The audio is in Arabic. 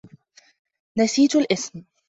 نسيت الإسم.